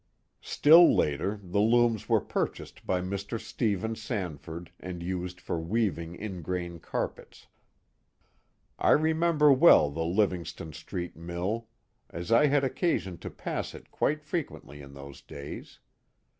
Still later the looms were purchased by Mr. Stephen Sanford and used for weaving ingrain carpets. I remember well the Livingston Street mill, as I had occa sion to pass it quite frequently in those days.